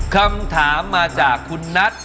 คำถามมาจากคุณนัท